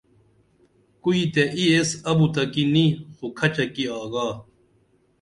کُوئتے ای ایس ابُتہ کی نی خو کھچہ کی آگا